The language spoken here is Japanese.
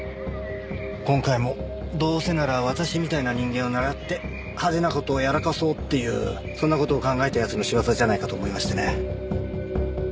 今回もどうせなら私みたいな人間を狙って派手な事をやらかそうっていうそんな事を考えた奴の仕業じゃないかと思いましてね。